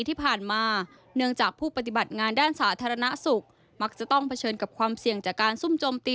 ที่ผ่านมาเนื่องจากผู้ปฏิบัติงานด้านสาธารณสุขมักจะต้องเผชิญกับความเสี่ยงจากการซุ่มโจมตี